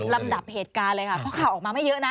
ลำดับเหตุการณ์เลยค่ะเพราะข่าวออกมาไม่เยอะนะ